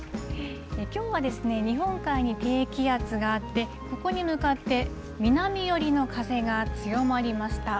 きょうはですね、日本海に低気圧があって、ここに向かって南寄りの風が強まりました。